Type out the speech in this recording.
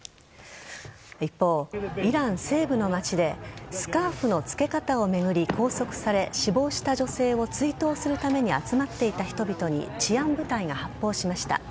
一方、イラン西部の街でスカーフの着け方を巡り拘束され、死亡した女性を追悼するために集まっていた人々に治安部隊が発砲しました。